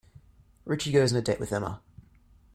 Richie goes on a date with Emma.